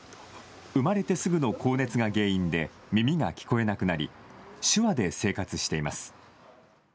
生まれてすぐの高熱が原因で耳が聞こえなくなり、手話で生活しています。